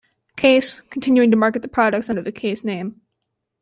Case, continuing to market the products under the Case name.